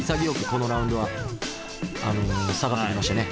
このラウンドは下がってきましたね。